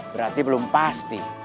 berarti belum pasti